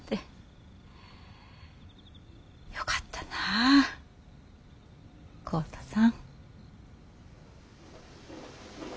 よかったなぁ浩太さん。